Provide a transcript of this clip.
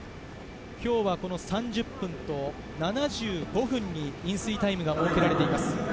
今日は３０分と７５分に飲水タイムが設けられています。